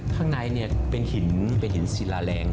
ข้างในเป็นหินศิลาแหลก